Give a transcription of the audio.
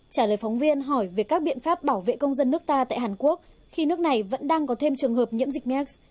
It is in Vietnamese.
trả lời phóng viên hỏi về các biện pháp bảo vệ công dân nước ta tại hàn quốc khi nước này vẫn đang có thêm trường hợp nhiễm dịch mekes